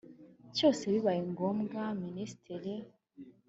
cyose bibaye ngombwa minisiteri